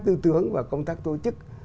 tư tưởng và công tác tổ chức